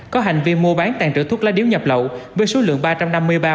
có hành vi mua bán tàn trữ thuốc lá điếu nhập lậu với số lượng ba trăm năm mươi ba